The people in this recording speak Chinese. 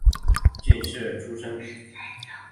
进士出身。